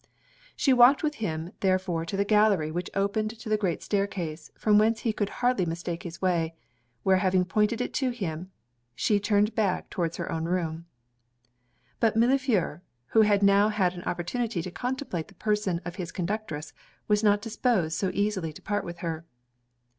She walked with him therefore to the gallery which opened to the great staircase, from whence he could hardly mistake his way; where having pointed it to him, she turned back towards her own room. But Millefleur, who had now had an opportunity to contemplate the person of his conductress, was not disposed so easily to part with her.